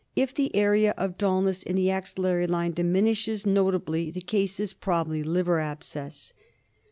If the area of dulness in the axillary line diminishes notably the case is probably liver abscess.